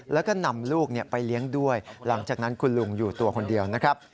แล้วก็นำลูกไปเลี้ยงด้วยหลังจากนั้นคุณลุงอยู่ตัวคนเดียวนะครับ